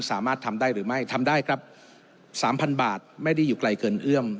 สามารถทำได้หรือไม่ทำได้ครับสามพันบาทไม่ได้อยู่ไกลเกินเอื้อม